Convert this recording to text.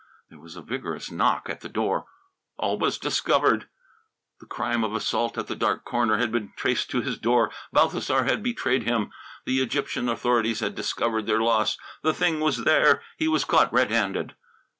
There was a vigorous knock at the door. All was discovered! The crime of assault at the dark corner had been traced to his door. Balthasar had betrayed him. The Egyptian authorities had discovered their loss. The thing was there. He was caught red handed.